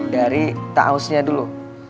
dari ta'usnya dulu